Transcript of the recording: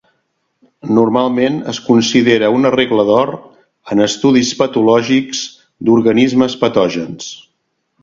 Normalment es considera una regla d'or en estudis patològics d'organismes patògens.